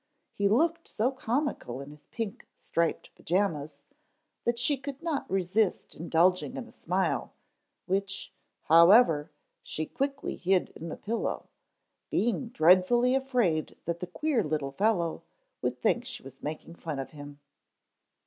He looked so comical in his pink striped pajamas that she could not resist indulging in a smile, which, however, she quickly hid in the pillow, being dreadfully afraid that the queer little fellow would think she was making fun of him.